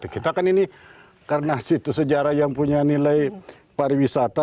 kita kan ini karena situ sejarah yang punya nilai pariwisata